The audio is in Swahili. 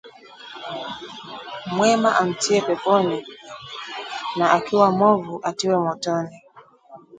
mwema amtie peponi na akiwa mwovu atiwe motoni